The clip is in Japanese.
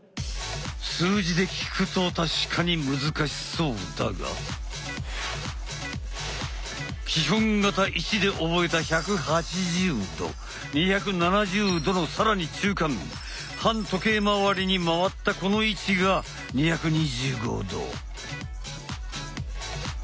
数字で聞くと確かに難しそうだが基本形１で覚えた１８０度２７０度の更に中間反時計まわりに回ったこの位置が２２５度。